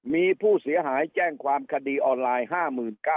มีผู้เสียหายแจ้งความคดีออนไลน์๕๙๐๐